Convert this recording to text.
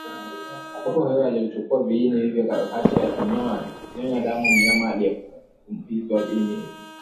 Kupe huyo huchukua viini hivyo wakati akinyonya damu mnyama aliyeambukizwa Viini hivi